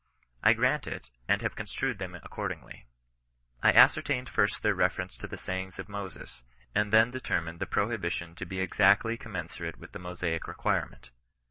I grant it, and have construed them accordingly. I ascer tained first their reference to the sayings of Moses, and then determined the prohibition to be exactly commen surate with the Mosaic requirement.